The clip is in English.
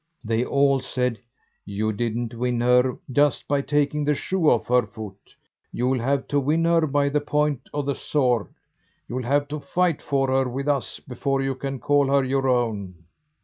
They all said: "You didn't win her just by taking the shoe off her foot; you'll have to win her by the point of the sword; you'll have to fight for her with us before you can call her your own."